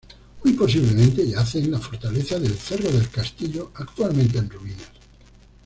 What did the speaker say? Muy posiblemente yace en la fortaleza del cerro del Castillo, actualmente en ruinas.